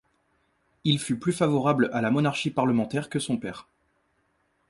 Il fut plus favorable à la monarchie parlementaire que son père.